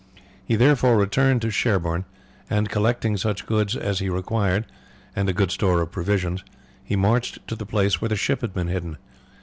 He therefore returned to Sherborne, and collecting such goods as he required and a good store of provisions he marched to the place where the ship had been hidden.